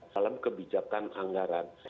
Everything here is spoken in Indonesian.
dalam kebijakan anggaran